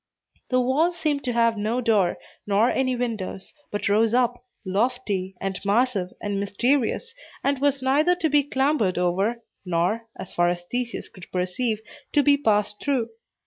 The wall seemed to have no door, nor any windows, but rose up, lofty, and massive, and mysterious, and was neither to be clambered over, nor, as far as Theseus could perceive, to be passed through.